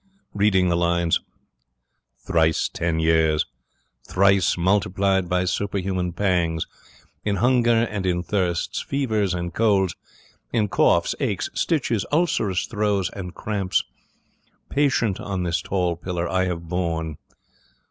Reading the lines: ...thrice ten years, Thrice multiplied by superhuman pangs, In hunger and in thirsts, fevers and colds, In coughs, aches, stitches, ulcerous throes, and cramps,... Patient on this tall pillar I have borne.